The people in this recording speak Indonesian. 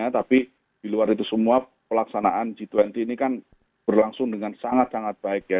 tapi di luar itu semua pelaksanaan g dua puluh ini kan berlangsung dengan sangat sangat baik ya